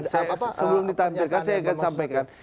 saya sebelum ditampilkan saya akan sampaikan